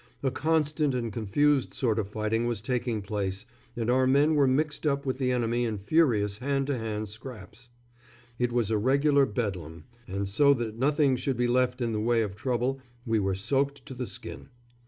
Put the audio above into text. A constant and confused sort of fighting was taking place, and our men were mixed up with the enemy in furious hand to hand scraps. It was a regular bedlam, and so that nothing should be left in the way of trouble we were soaked to the skin.